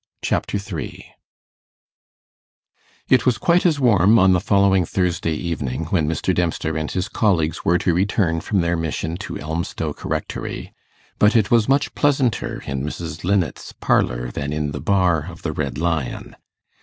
Chapter 3 It was quite as warm on the following Thursday evening, when Mr. Dempster and his colleagues were to return from their mission to Elmstoke Rectory; but it was much pleasanter in Mrs. Linnet's parlour than in the bar of the Red Lion.